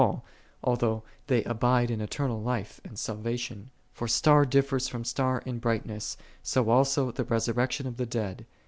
all, although they abide in eternal life and salvation: " For star ditteretii Iroin star in brightness; so also the Resurrection of the dead.